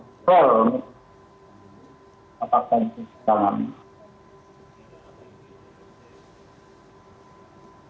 atas penyelidikan kami